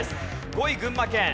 ５位群馬県。